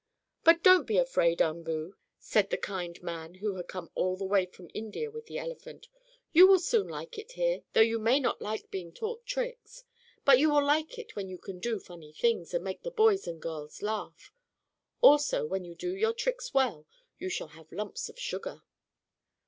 "But don't be afraid, Umboo," said the kind man who had come all the way from India with the elephant. "You will soon like it here, though you may not like being taught tricks. But you will like it when you can do funny things, and make the boys and girls laugh. Also, when you do your tricks well, you shall have lumps of sugar."